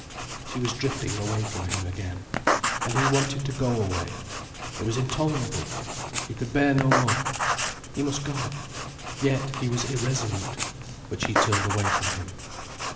She was drifting away from him again. And he wanted to go away. It was intolerable. He could bear no more. He must go. Yet he was irresolute. But she turned away from him.